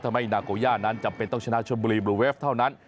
นาโกย่านั้นจำเป็นต้องชนะชนบุรีบลูเวฟเท่านั้น